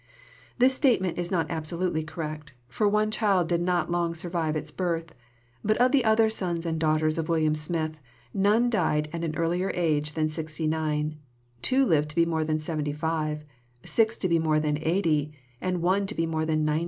This statement is not absolutely correct, for one child did not long survive its birth; but of the other sons and daughters of William Smith, none died at an earlier age than 69, two lived to be more than 75, six to be more than 80, and one to be more than 90.